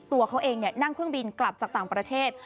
ตัวเขาเองนั่งเครื่องบินกลับจากต่างประเทศ